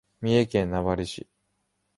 三重県名張市